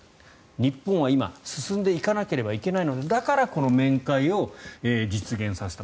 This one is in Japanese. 日本は今、進んでいかなければいけないのでだからこの面会を実現させた。